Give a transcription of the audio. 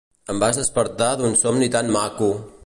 Em vas despertar d'un somni tan maco!